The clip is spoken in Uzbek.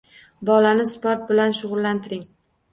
Bolani sport bilan shug‘ullantiring.